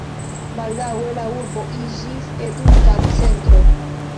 Baldaŭe la urbo iĝis eduka centro.